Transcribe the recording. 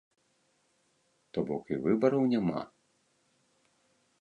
То бок, і выбараў няма.